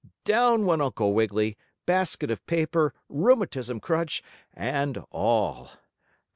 down went Uncle Wiggily, basket of paper, rheumatism crutch and all.